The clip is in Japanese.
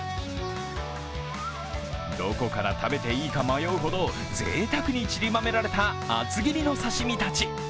どこから食べていいか迷うほどぜいたくに散りばめられた厚切りの刺身たち。